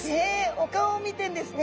お顔見てんですね。